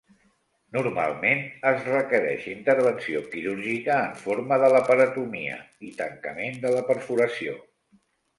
Normalment es requereix intervenció quirúrgica en forma de laparotomia i tancament de la perforació.